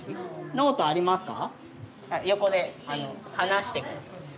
ノートありますか？